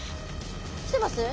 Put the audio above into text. きてます？